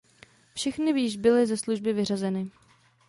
Všechny již byly ze služby vyřazeny.